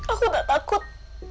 aku tak takut